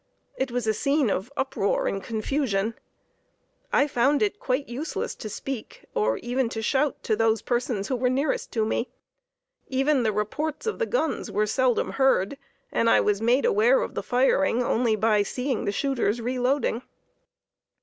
It was a scene of uproar and confusion. I found it quite useless to speak, or even to shout to those persons who were nearest to me. Even the reports of the guns were seldom heard, and I was made aware of the firing only by seeing the shooters reloading.